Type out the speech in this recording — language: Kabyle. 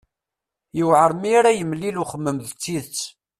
Yuɛer mi ara yemlil uxemmem d tidet.